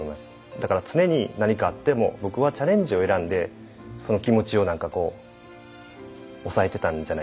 だから常に何かあっても僕はチャレンジを選んでその気持ちを抑えてたんじゃないかなと思います。